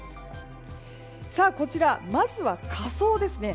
こちら、まずは下層ですね。